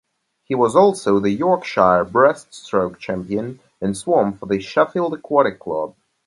He was also the Yorkshire breaststroke champion and swam for the Sheffield Aquatic Club.